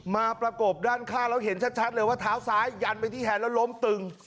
ประกบด้านข้างแล้วเห็นชัดเลยว่าเท้าซ้ายยันไปที่แฮนดแล้วล้มตึง